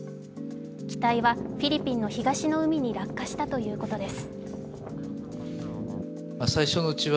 機体はフィリピンの東の海に落下したということです。